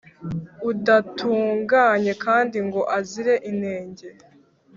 udatunganye kandi ngo azire inenge.